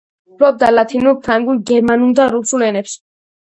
ფლობდა ლათინურ, ფრანგულ, გერმანულ და რუსულ ენებს.